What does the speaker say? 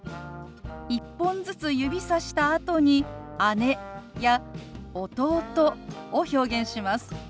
１本ずつ指さしたあとに「姉」や「弟」を表現します。